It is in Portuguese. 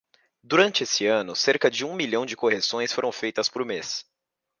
Durante esse ano, cerca de um milhão de correções foram feitas por mês.